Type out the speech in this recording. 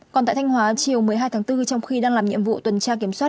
còn tại thanh hóa chiều một mươi hai tháng bốn trong khi đang làm nhiệm vụ tuần tra kiểm soát